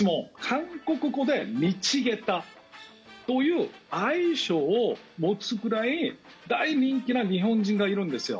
韓国語でミチゲッタという愛称を持つぐらい大人気な日本人がいるんですよ。